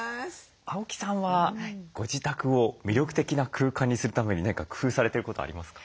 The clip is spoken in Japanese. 青木さんはご自宅を魅力的な空間にするために何か工夫されてることありますか？